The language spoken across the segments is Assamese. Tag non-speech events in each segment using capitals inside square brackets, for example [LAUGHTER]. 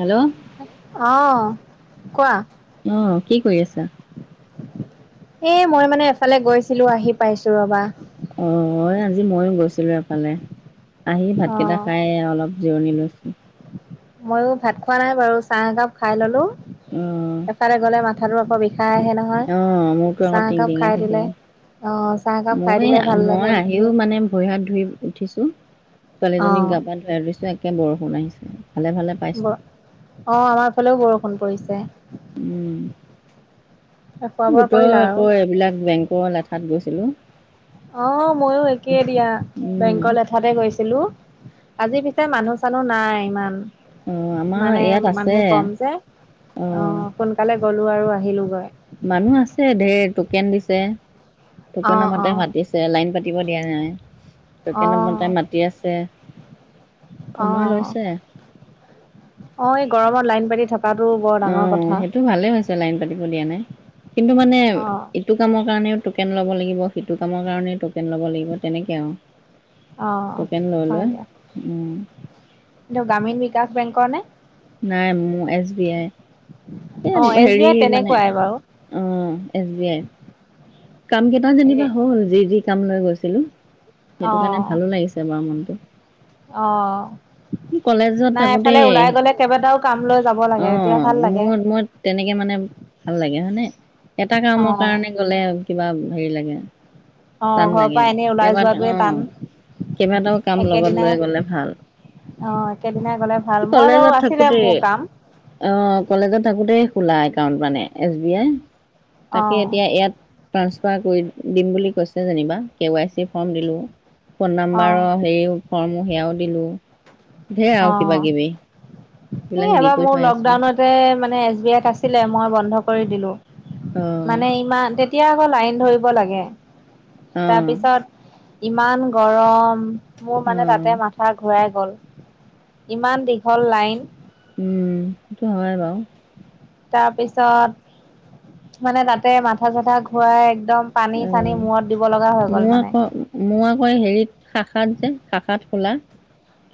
হেল্ল' অ কোৱা। অহ কি কৰি আছা? এ মই মানে এফালে গৈছিলো আহি পাইছো ৰবা। অ, আজি ময়ো গৈছিলো এফালে। আহি ভাত কেইটা অ', খাই এই অলপ জিৰণি লৈছো। ময়ো ভাত খোৱা নাই বাৰু। চাহ একাপ খাই ললো। এফালে গ'লে মাথাটো আকৌ বিশষ অহ মোৰতো আকৌ টিং টিঙে খাই থাকে। দিলে। অ', চাহ একাপ খাই দিলে ভাল লাগে মই-মই আহিও মানে ভৰি হাত ধুই উঠিছো। ছোৱালীজনীক অ'। গা পা ধাই ধইছো একে বৰষুণ আহিছে। ভালে ভালে পাইছো অ আমাৰ ফালেও বৰষুণ পৰিছে। উম খোৱা বোৱা গোটৰ কৰিলা আৰু? আকৌ এইবিলাক বেংকৰ লেঠাত গৈছিলো। অহ ময়ো একেইে দিয়া। উম বেংকৰ লেঠাতে গৈছিলো। আজি পিছে মানুহ চানুহ নাই ইমান। অ আমাৰ মানে ইয়াত মানুহ আছে কম যে অ সোনকালে গ'লোঁ আৰু আহিলোঁগৈ। মানুহ আছে ঢেৰ, টোকেন দিছে টোকেনৰ অ', মাতে অ'। মাতিছে। লাইন পাতিব দিয়া নাই। টোকেনৰ মতে অ', মাতি আছে সময় অ', লৈছে। অ এই গৰমৰ লাইন পাতি থকাটো বৰ অ ডাঙৰ কথা। সেইটো ভালে হৈছে লাইন পাতিব দিয়া নাই। কিন্তু মানে অ', ইটো কামৰ কাৰণেও টো টকেন ল'ব লাগিব সিটো কামৰ কাৰণে টকেন ল'ব লাগিব তেনেকে আৰু। অ, টোকেন লৈ হয় লৈ দিয়া। উম এনেও গ্ৰামীণ বিকাশ বেংকৰ নে? নাই মোৰ এছ বি আই। এ অ', এছ বি হেৰি আই মানে তেনেকুৱাই বাৰু। অ এছ বি আই। কাম কেইটা এই যেনিবা হল যি- যি কাম লৈ গৈছিলো। সেইটো কাৰণে অ', ভালো লাগিছে বাও মনটো। অ। কলেজত নাই এফালে থাকোতেই ওলাই গলে কেইবাটাও কাম লৈ যাব অ লাগে। তেতিয়া ভাল লাগে। মোৰ মই তেনেকে মানে ভাল লাগে হয় নে এটা কামৰ অ', কাৰণে গলে কিবা হেৰি লাগে। অ', টান ঘৰৰ লাগে পৰা এনেই ওলাই কেতিয়াবা, অ যোৱাটোৱে টান। কেইবাটাও কাম লগত একেদিনাই লৈ গলে ভাল। অ', একেদিনাই গ'লে ভাল। মই বাৰু কলেজত আছিলে থাকোতেই মোৰ কাম। অ কলেজত থাকোতেই খোলা একাউণ্ট মানে এছ বি আই, তাকে অ', এতিয়া ইয়াত ট্ৰাঞ্চফাৰ কৰি দিম বুলি কৈছে যেনিবা কে ৱাই চি ফৰ্ম দিলোঁ। ফোন অ', নাম্বাৰৰ হেৰিও ফৰ্মো সেয়াও দিলো ঢেৰ আৰু কিবা কিবি। এ এইবিলাক দি এবাৰ কৰি মোৰ থৈ আহিছোঁ লকডাউনতে মানে এছ বি আইত আছিলে মই ব বন্ধ কৰি দিলো অ মানে ইমান তেতিয়া আকৌ লাইন ধৰিব লাগে। অ তাৰপিছত ইমান গৰম। মোৰ অ মানে তাতে মাথা ঘূৰাই গল ইমান দীঘল লাইন। উম সেইটো হয় বাৰু। তাৰপিছত মানে তাতে মাথা চাথা ঘুৰাই অ, মোৰ মানে। আকৌ মোৰ আকৌ হেৰিত শাখাত যে শাখাত খোলা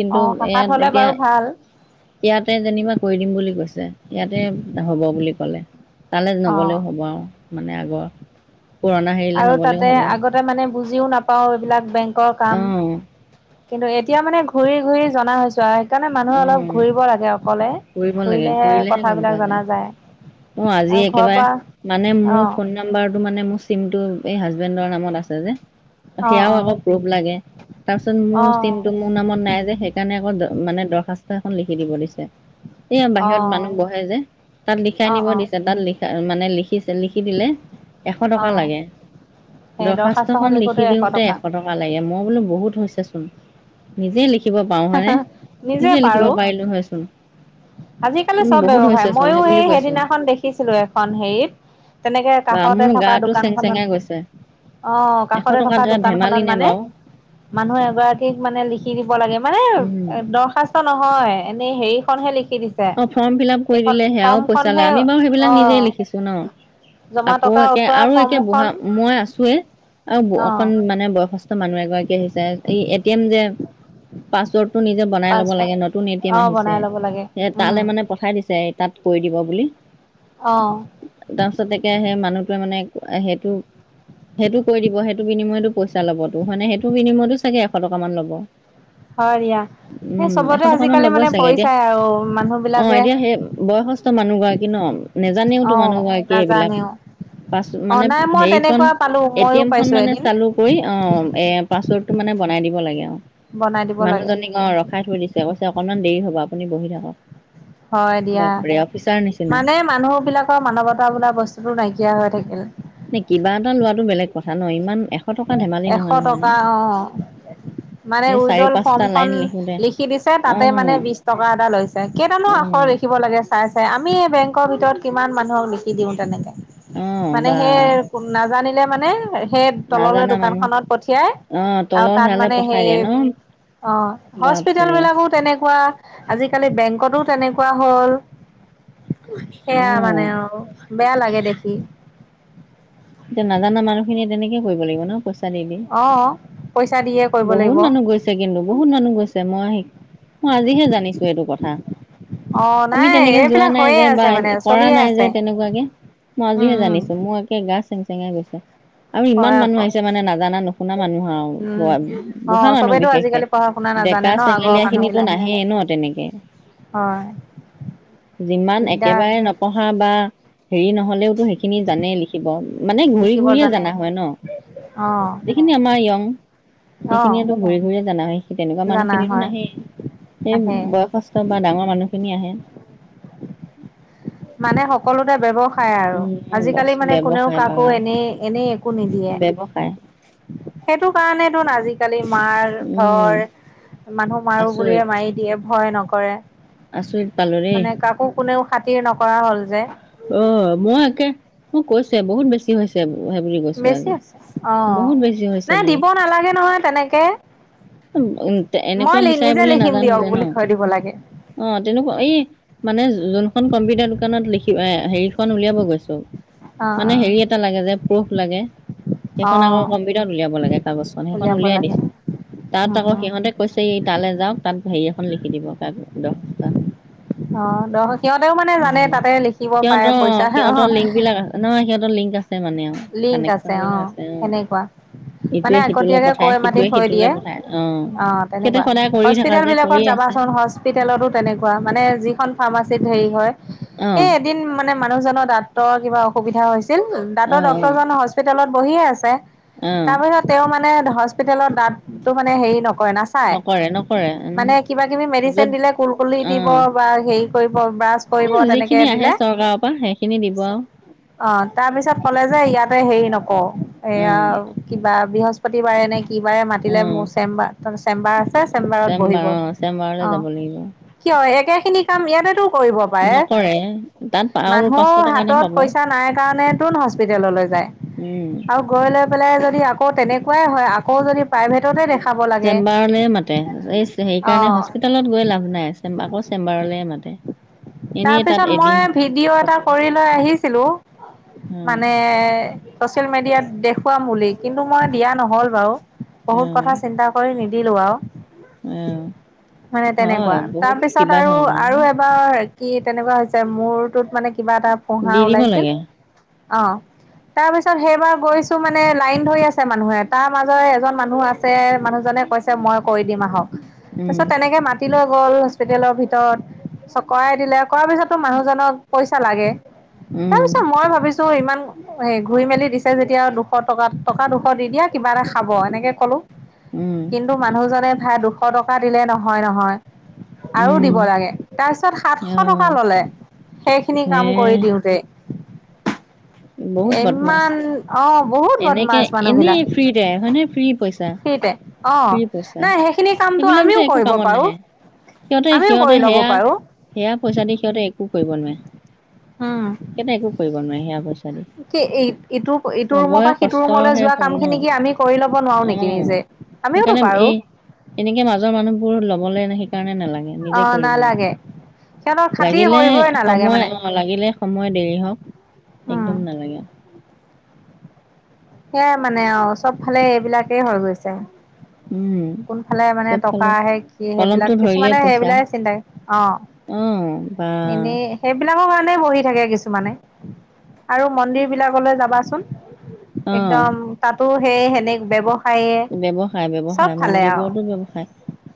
কিন্তু অ' শাখাত হ'লে ইয়াত এতিয়া বাৰু ভাল ইয়াতে যেনিবা কৰি দিম বুলি কৈছে। ইয়াতে হব বুলি কলে। তালৈ অ'। নগ'লেও হ'ব আৰু মানে আগৰ। পুৰণা হেৰিলে আৰু নগ'লেও তাতে হ'ব অঁ আগতে মানে বুজিও নাপাওঁ এইবিলাক বেংকৰ কাম। কিন্তু এতিয়া মানে ঘূৰি ঘূৰি জনা হৈছো আই। সেইকাৰণে মানুহে অঁ অলপ ঘূৰিব লাগে অকলে। ঘূৰিব ঘূৰিলেহে কথাবিলাক জনা যায়। অ আজি আৰু ঘৰৰ একেবাৰে পৰা মানে মোৰ অ', ফোন নাম্বাৰটো মানে মোৰ চিমটো এই হাজবেণ্ডৰ নামত আছে যে অ', সেয়াও অ', আকৌ প্ৰুফ লাগে। তাৰপিছত অ', মোৰ টো মোৰ নামত নাই যে সেইকাৰণে আকৌ মানে। দখাস্ত এখন লিখি দিব দিছে এইয়া বাহিৰত মানুহ অ', বহে যে তাত লিখাই অ', নিব অ', দিছে তাত লিখা। মানে লিখিছে লিখি দিলে এশ টকা অ', লাগে। সেই দৰ্খাস্ত দৰখাস্তখন খন লিখোতে লিখি দিওঁতে এশ টকা লাগে মই বোলো বহুত হৈছে চোন। নিজে লিখিব পাৰওঁ হয়নে নিজে লিখিব পাৰিলো হয়চোন। আজিকালি উম চব বহুত ব্যৱসায় হৈছে চোন মইয়ো বুলি সেই কৈছো সেইদিনাখন দেখিছিলো এখন হেৰিত। তেনেকে বা কাষতে মোৰ থকা গাটো চেং দোকানখনত। চেঙাই গৈছে অ এশ কাষতে টকা থকা এটা দোকান খন ধেমালি নে মানে বাৰু মানুহ এগৰাকীক মানে লিখি দিব লাগে। মানে উম দৰ্খাস্ত নহয় এনেই হেৰিখনহে লিখ। অ ফৰ্ম ফিল আপ কৰি দিলে সেয়াও পইচা ফৰ্মখনহে লয় আমি বাৰু অ সেইবিলাক নিজেই লিখিছো ন। জমা আকৌ টকা একে উঠোৱা আৰু একে বুঢ়া ফৰ্মখন মই আছোৱেই। আৰু অ অকন মানে বয়সস্থ মানুহ এগৰাকী আহিছে এই এটি এম যে। পাছৱৰ্ডটো নিজে বনাই লব পাছপৰ্ট লাগে নতুন এ টি এম অ আহিছে। বনাই ল'ব লাগে সে তালে উম মানে পঠাই দিছে তাত কৰি দিব বুলি। অ তাৰপিছতে সেই মানুহটোৱে মানে সেইটো। সেইটো কৈ দিব সেইটো বিনিময়তো পইচা লব সেইটো বিনিময়তো চাগে এশ টকামান ল'ব। হয় দিয়া এই চবতে আজিকালি মানে পইছাই আৰু। মানুহ অহ বিলাকে এতিয়া সেই বয়সস্থমানুহ গৰাকী ন নেজানেও তো অ মানুহ গৰাকী সেইবিলাক। নাজানেও পাছ অ মানে নাই মই হেখন তেনেকুৱা পালো এটি মইও এম খ পাইছো মানে এদিন চালু কৰি অ এ পাছৰ্ড। মানে বনাই দিব লাগে আৰু বনাই দিব লাগে মানুহজনী অ ৰখাই থৈ দিছে কৈছে অকনমান দেৰি হ'ব। আপুনি বহি থাকক। হয় দিয়া বাপৰে অফিচাৰ নিচিনা মানে মানুহ বিলাকৰ মানৱতা বোলা বস্তুতো নাইকিয়া সীয়া হৈ থাকে। ভাল নহয় ইমান। এশ টকা ধেমালি এশ নহয় নহয় ন টকা অঁহ। মানে এই চাৰি উইডল পাঁচটা ফৰ্মখন লাইন লিখোতে লিখি দিছে তাতে মানে অ', বিশ টকা এটা লৈছে কেইটানো। আখৰ অ', লিখিব লাগে চাই চাই আমি। আমি বেংকৰ ভিতৰত কিমান মানুহৰ লিখি দিওঁ তেনেকে অ', মানে বা সে নাজানিলে। মানে সেই তললৈ নাজানা মানুহ দোকানখনত পঠিয়াই অ', আৰু তলৰ তাত সেয়ালে মানে পঠাই সেই। দিয়ে ন? অহ হস্পিতেল বাপৰে বিলাকো তেনেকুৱা। আজিকালি বেংকতো তেনেকুৱা হল সেয়া মানে অ', আৰু। বেয়া লাগে দেখি। এতিয়া নাজানা মানুহখিনিয়ে তেনেকে কৰিব লাগিব ন পইচা। দি দি। অহ। বহুত মানুহ গৈছে কিন্তু বহুত মানুহ গৈছে মই আহি। মই আজিহে জানিছো এইটো কথা। অঁ আমি নাই তেনেকে যোৱা এইবিলাক নাই হৈয়ে যে বা আছে মানে কৰা চলিয়ে নাই যে আছে তেনেকুৱাকে। মই উম আজিহে উম জানিছো মোৰ একে গা চেং চেঙে গৈছে। আৰু ইমান হয় মানুহ আকৌ আহিছে মানে নাজানা নুশুনা মানুহ আৰু উম অ বুঢ়া মানুহ চবেইতো বিশেষকে। আজিকালি পঢ়া শুনা নাজানে ডেকা ন আগৰ চেঙেলীয়া মানুহ খিনিতো বিলাকে নাহেই ন তেনেকে। হয়। যিমান দিগদাৰ একেবাৰে নপঢ়া বা হেৰি নহলেওতো সেইখিনি জানেই লিখিব। মানে ঘূৰি লিখিব ঘূৰিয়ে জানে জানা হয় ন অ যিখিনি আমাৰ য়ং। অ সেইখিনিয়েতো ঘূৰি ঘূৰি জানা হয়। তেনেকুৱা জানা মানুহখিনিতো হয় নাহেই সেই আহে বয়সস্থ বা ডাঙৰ মানুহখিনি আহে। উম। মানে সকলোতে ব্যৱসায়। খাই আৰু উম আজিকালি মানে কোনেও ব্যৱসায় বা কাকো এনে এনে একো নিদিয়ে। ব্যৱসায় সেইটো কাৰণে আজিকালি মাৰ উম ধৰ। মানুহ মাৰো বুলিয়ে আচৰিত মাৰি দিয়ে ভয় নকৰে আচৰিত পালো দেই মানে কাকো। কোনেও খাতিৰ নকৰা হ'ল যে। অহ, মই একে, মই কৈছোৱে বহুত বেছি হৈছে হে বুলি কৈছোঁ বেছি আজি। আছে অ বহুত বেছি হৈছে নাই মোৰ। দিব নালাগে নহয় তেনেকে উ- মই এনেকুৱা বিচাৰে নিজে বুলি লিখিম নাজানো দিয়ক যে বুলি ন', থৈ দিব লাগে অ' তেনেকুৱা এই মানে যোনখন কম্পিউটাৰ দোকানত লিখি হেৰি হেখন উলিয়াব গৈছো অ মানে হেৰি এটা লাগে যে প্ৰুফ লাগে। অ অ সেইখন আকৌ কম্পিউটাৰত উলিয়াব লাগে কাগজখন সেইখন উলিয়াব উলিয়াই লাগে দিছে। তাত উম আকৌ উম সিহঁতে কৈছে এই তালৈ যাওক তাত হেৰি এখন লিখি দিব তাক দৰ্সাস্ত অ দ সিহঁতেও মানে জানে উম, তাতে লিখিব পাৰে সিহঁতৰ- পইচা সিহঁতৰ লিংকবিলাক অ- নহয় সিহঁতৰ লিংক আছে মানে আৰু লিংক কানেকচন অ বিলাক আছে অহ সেনেকুৱা মানে ইটোৱে - সিটোলৈ পঠায় সিটোৱে -সিটোলৈৱ পঠাই। অ'। অহ, তেনেকুৱা থকা হস্পিতেল যে বিলাকত কৰিয়ে আছে যাবাচোন হস্পিতেলতো তেনেকুৱা মানে যিখন ফাৰ্মাচী ছেত হেৰি হয়। অ সেই এদিন মানে মানুহজনৰ দা‍ঁতৰ কিবা অসুবিধা হৈছিল। অ অ ত' ডক্টৰজন হস্পিটেলত বহিয়ে আছে অ তাৰ পাছত তেওঁ মানে হস্পিতেলৰ দাঁতটো মানে হেৰি নক কয় নাচাই নকৰে নকৰে উম মানে কিবা- কিবি মেডিচিন য'ত দিলে কুল -কুলি দিব অ' বা হেৰি কৰিব ব্ৰাছ কৰিব এই তেনেকে যিখিনি আহে দিলে চৰকাৰৰ পৰা সেইখিনি দিব আৰু অহ তাৰপিছত কলে যে ইয়াতে হেৰি নকওঁ এয়া উম কিবা বৃহস্পতিবাৰে নে কি বাৰে মাতিলে উম মোৰ চেম্বাৰ- চেম্বাৰ আছে চেম্বাৰত বহিব চেম্বাৰ অহ। অ' চেম্বাৰলৈ যাব লাগিব। কিয় একে খিনি কাম ইয়াতেতো কৰিব পাৰে নকৰে তাত আৰু পাঁচশ মানুহৰ টকা এটা হাতত পাব পইচা নাই কাৰণে তোন হস্পিতেললৈ যায় উম আৰু গৈ লৈ পেলাই যদি আকৌ তেনেকুৱাই হয়, আকৌ যদি প্ৰাইভেটতে দেখা চেম্বাৰলে মাতে এই সেইকাৰণে অ', হস্পিতালত গৈ লাভ নাই চে আকৌ চেম্বাৰলেই মাতে। তাৰ এনেই তাত পিছত মই এদিন ভিডিঅ' এটা ক্ষতি কৰি লৈ আহিছিলোঁ। অ' মানে ছচিয়েল মিডিয়াত দে খুৱাম বুলি। কিন্তু মই দিয়া নহ'ল বাৰু। বহুত কথা অ' চিন্তা কৰি নিদিলোঁ আৰু। অ' মানে তেনেকুৱা হয় বহুত তাৰপিছত কিবা আৰু ধৰণৰ ন -আৰু এবাৰ কি তেনেকুৱা হৈছে, মূৰটোত মানে কিবা এটা ফোহা দি দিব ওলাইছিল। লাগে অ'। তাৰ পিছত সেইবাৰ গৈছো মানে লাইন ধৰি আছে মানুহে তাৰ মাজৰে এজন মানুহ আছে মানুহজন কৈছে মই কৈ দিম আহক। তাৰ উম পিছত তেনেকে মাতি লৈ গ'ল হস্পিতেলৰ ভিতৰত, চকৰাই দিলে কৰাৰ পিছততো মানুহজনক পইচা লাগে তাৰ উম পিছত মই ভাবিছো ছো ইমান এ- ঘূৰি মেলি দিছে যেতিয়া, দুশ টকা- টকা দুশ দি দিয়া, কিবা এটা খাব এনেকে ক'লো। উম কিন্তু মানুহজনে ভাই দুশ টকা দিলে নহয় - নহয়। আৰু উম দিব লাগে তাৰপিছত সাত শ টকা অ' ল'লে, সেইখিনি কাম কৰি দিওঁতে। উ [UNINTELLIGIBLE] বহুত বদমাছ ইমান অ বহুত এনেকে বদমাছ মানুহ এনে বিলাক ফ্ৰীতে হয় নে ফ্ৰী পইচা ফ্ৰীতে। অ'। ফ্ৰী পইচা নাই, সেইখিনি কামটো সেইবিলাক যে আমিও একো কৰিব কামত পাৰোঁ। নাহে সিহঁতে আমিও সিহঁতে কৰি লব সেয়া পাৰো সেয়া পইচা দি সিহঁতে একো কৰিব নোৱাৰে- উম সিহঁতে একো কৰিব নোৱাৰে সেয়া পইচা দি ইটো- ইটো ৰুমৰ চবৰে পৰা সিটো ৰুমলৈ কষ্টৰহে যোৱা ফল কাম ন খিনি কি আমি কৰি লব নোৱাৰো অ নেকি নিজে? আমিওতো সেইকাৰণে পাৰোঁ। এই এনেকে মাজৰ মানুহবোৰ ল'বলে নে সি নিজে অ' কৰিব লাগে। নালাগে। সিহঁতক খাতি লাগিলে কৰিবই নালাগে সময়- মানে। অ' লাগিলে সময় দেৰি হওঁক। উম, একদম নালাগে। সেয়াই মানে আৰু চব ফালে এইবিলাকেই হৈ গৈছে। উম কোনফালে মানে টকা চবফালে আহে কি সেইবিলাক কলমটো ধৰিলে কিছুমানে পইচা সেইবিলাক চিন্তা অহ অ বা এনেই সেইবিলাকৰ কাৰণে বহি থাকে, কিছুমানে। আৰু মন্দিৰবিলাকলৈ যাবাচোন। অ একদম তাতো। সেই সেনেক ব্যৱহ। ব্যৱসায়, ব্যৱসায়। মন্দিৰবোৰতো ব্যৱসায়।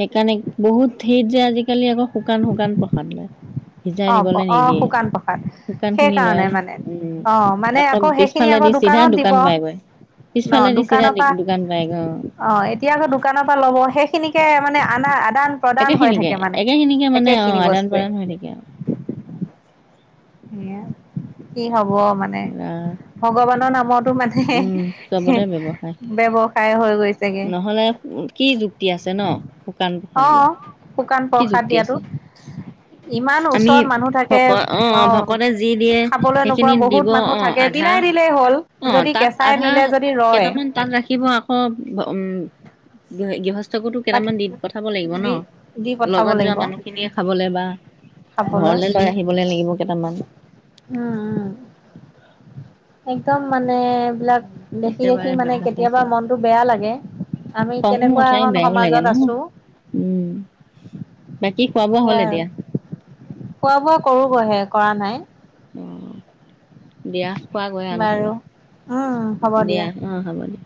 সেইকাৰণে বহুত ঠাইত যে আজিকালি আকৌ শুকান শুকান প্ৰসাদ লয়। ভিজাই অ' দিবলৈ অ' নিদিয়ে। শুকান প্ৰসাদ। শুকান খিনি সেইকাৰণে লয়, মানে উম অ' মানে আকৌ সেইখিনি পিছফালে আকৌ দি। চিধা দোকানত দিব। দোকান পাইগৈ, ন পিছফালেদি চিধা দোকানৰ পৰা দোকান পাই। অ' এতিয়া আকৌ দোকানৰ পৰা ল'ব। সেইখিনিকে মানে আনা আ। প্ৰদান প্ৰদান হৈ একেখিনিকে থাকে মানে একেখিনিকে মানে একে অ খিনি আদান বস্তুৱে। প্ৰদান হৈ থাকে আৰু কি হব মানে আহ ভগৱানৰ নাম। মানে, উম চবতে ব্যৱসায় ব্যৱসায় হৈ গৈছে। তাকে। নহ'লে কি যুক্তি আছে ন শুকান প্ৰসাদ লোৱা অ' শুকান কি প্ৰসাদ যুক্তি দিয়াতো। আছে ইমান আমি ওচৰত মানুহ থাকে। ভক অ ভকতে যি দিয়ে খাবলৈ নোপোৱা সেইখিনি বহুত দিব মানুহ অ থাকে বিলাই আধা দিলেই হ'ল। অ', যদি তাত কেঁচাই আধা নিলে যদি ৰয় কেইটামান তাত ৰাখিব আকৌ উম, গৃহ। [UNINTELLIGIBLE] বাকী কেইটামান দি পঠাব লাগিব ন? দি দি পঠাব লগত যোৱা লাগিব মানুহখিনিয়ে খাবলে বা। খাবলৈ ঘৰলে লৈ আহিবলে লাগিব কেইটামান। উম, উম। একদম মান মানে বিলাক দেখি দেখি একেবাৰে মানে ব্যৱসায় কেতিয়াবা চব, মনটো বেয়া লাগে। আমি খঙো কেনেকুৱা উঠে এখ। বেয়াও লাগে ন? উম বাকী খোৱা বোৱা হ'ল এতিয়া? খোৱা-বোৱা কৰোগৈহে, কৰা নাই। অ', দিয়া। খোৱগৈ আৰু বাৰু নহ'লে। উম হ'ব দিয়া অ' হ'ব দিয়া।